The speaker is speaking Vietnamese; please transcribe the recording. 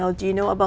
ở việt nam